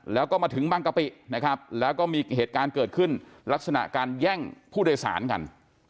แล้วก็มาถึงบางกะปินะครับแล้วก็มีเหตุการณ์เกิดขึ้นลักษณะการแย่งผู้โดยสารกัน